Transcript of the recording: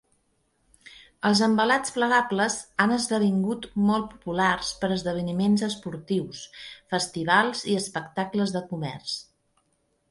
Els envelats plegables han esdevingut molt populars per esdeveniments esportius, festivals i espectacles de comerç.